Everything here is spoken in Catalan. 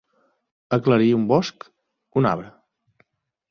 Aclarir un bosc, un arbre.